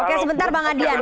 oke sebentar bang adian